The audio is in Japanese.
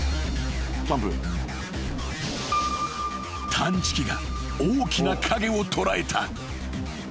［探知機が大きな影を捉えた］